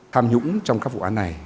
tham nhũng trong các vụ án này